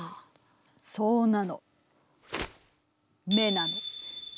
そうなの眼なの。